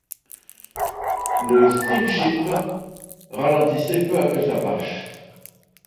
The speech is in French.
Le steamship ralentissait peu à peu sa marche.